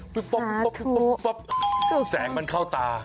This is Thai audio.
พี่ฟ๊อกแสงมันเข้าตา